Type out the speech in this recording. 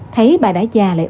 thấy bà đã già lại